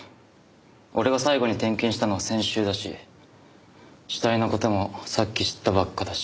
俺が最後に点検したのは先週だし死体の事もさっき知ったばっかだし。